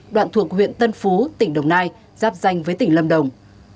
đoạn thuộc huyện tân phú tỉnh đồng nai giáp danh với tỉnh lâm đồng